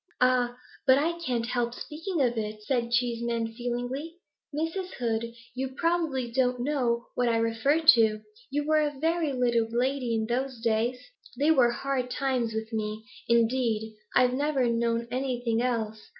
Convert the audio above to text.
'Ah, but I can't help speaking of it,' said Cheeseman, feelingly. 'Miss Hood, you probably don't know what I refer to; you were a very little lady in those days. They were hard times with me; indeed, I've never known anything else.